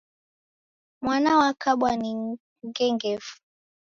Mwana wakabwa ni ngengefu.